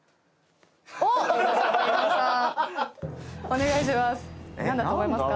お願いします。